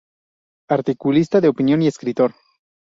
Articulista de opinión y escritor.